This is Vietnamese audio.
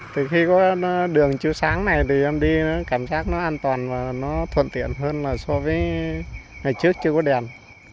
thì khi có đường chú sáng này thì em đi nó cảm giác nó an toàn và nó thuận tiện hơn so với ngày trước chưa có đèn